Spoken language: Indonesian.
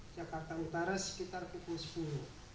jakarta utara sekitar pukul sepuluh